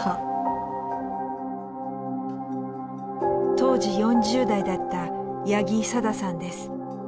当時４０代だった八木さださんです。